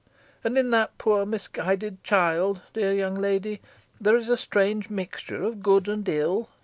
And in that poor misguided child, dear young lady, there is a strange mixture of good and ill.